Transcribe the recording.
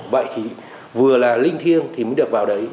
vậy thì vừa là linh thiêng thì mới được vào đấy